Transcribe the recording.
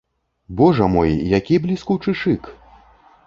Божа мой, які бліскучы шык!